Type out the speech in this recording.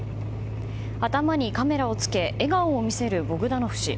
頭にカメラをつけ笑顔を見せるボグダノフ氏。